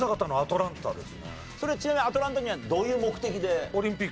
それちなみにアトランタにはどういう目的で？